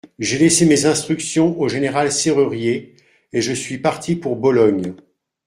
J'ai laissé mes instructions au général Serrurier, et je suis parti pour Bologne.